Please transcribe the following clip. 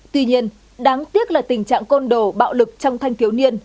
tuy nhiên đáng tiếc là tình trạng côn đồ bạo lực trong thanh thiếu niên